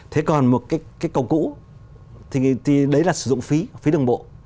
thì đấy là sử dụng phí phí đường bộ